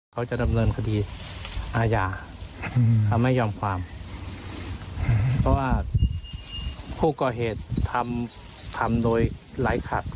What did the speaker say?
เขาจะดำเนินคดีอาญาเขาไม่ยอมความเพราะว่าผู้ก่อเหตุทำทำโดยไร้ขัด